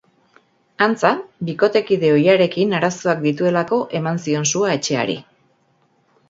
Antza, bikotekide ohiarekin arazoak dituelako eman zion sua etxeari.